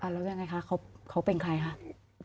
แล้วจะอย่างไรคะเขาเป็นใครคะ